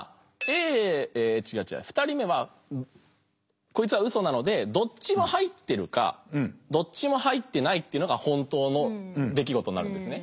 ２人目はこいつはウソなのでどっちも入ってるかどっちも入ってないってのが本当の出来事になるんですね。